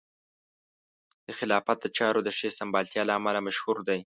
د خلافت د چارو د ښې سمبالتیا له امله مشهور دی.